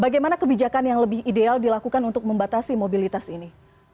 bagaimana kebijakan yang lebih ideal dilakukan untuk membatasi mobilitas ini